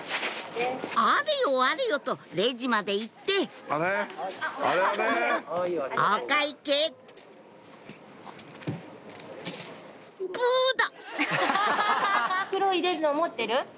あれよあれよとレジまで行ってお会計「ブ！だ」